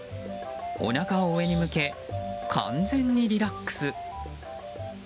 おなかを上に向け完全にリラックス。